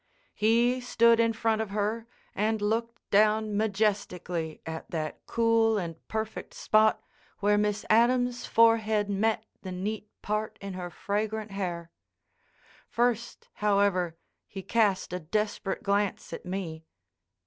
He stood in front of her and looked down majestically at that cool and perfect spot where Miss Adams' forehead met the neat part in her fragrant hair. First, however, he cast a desperate glance at me.